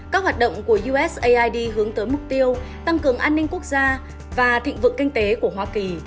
các hoạt động của usaid hướng tới mục tiêu tăng cường an ninh quốc gia và thiết kế hợp lực mềm